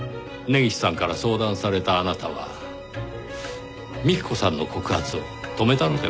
根岸さんから相談されたあなたは幹子さんの告発を止めたのではありませんか？